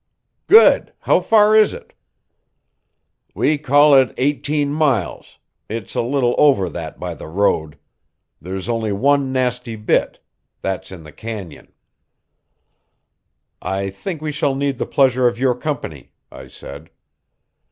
"Good! How far is it?" "We call it eighteen miles, it's a little over that by the road. There's only one nasty bit. That's in the canyon." "I think we shall need the pleasure of your company," I said.